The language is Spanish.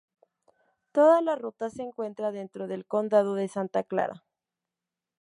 Toda la ruta se encuentra dentro del condado de Santa Clara.